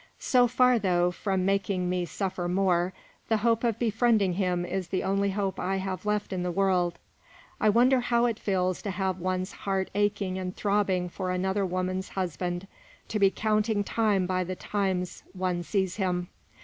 So far, though, from making me suffer more, the hope of befriending him is the only hope I have left in the world. I wonder how it feels to have one's heart aching and throbbing for another woman's husband to be counting time by the times one sees him?